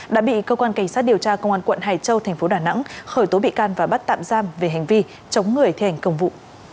đã bị cơ quan cảnh sát điều tra công an quận hải châu thành phố đà nẵng khởi tố bị can và bắt tạm giam về hành vi chống người thi hành công vụ